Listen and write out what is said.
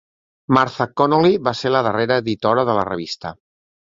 Martha Connolly va ser la darrera editora de la revista.